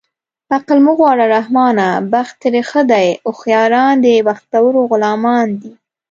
عقل مه غواړه رحمانه بخت ترې ښه دی هوښیاران د بختورو غلامان دي